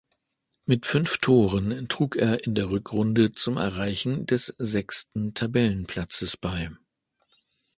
Mit fünf Toren trug er in der Rückrunde zum Erreichen des sechsten Tabellenplatzes bei.